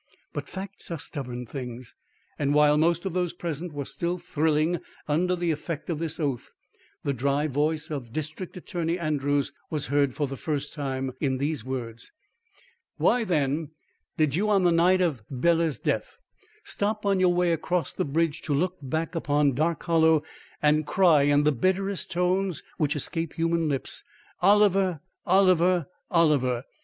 But facts are stubborn things, and while most of those present were still thrilling under the effect of this oath, the dry voice of District Attorney Andrews was heard for the first time, in these words: "Why, then, did you, on the night of Bela's death, stop on your way across the bridge to look back upon Dark Hollow and cry in the bitterest tones which escape human lips, 'Oliver! Oliver! Oliver!'